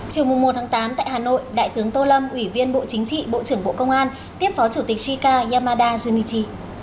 chiều một tám tại hà nội đại tướng tô lâm ủy viên bộ chính trị bộ trưởng bộ công an tiếp phó chủ tịch jica yamada junichi